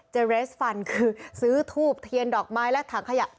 เรสฟันคือซื้อทูบเทียนดอกไม้และถังขยะ